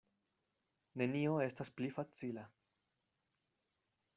Nenio estas pli facila.